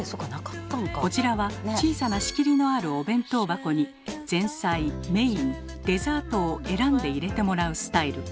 こちらは小さな仕切りのあるお弁当箱に前菜・メイン・デザートを選んで入れてもらうスタイル。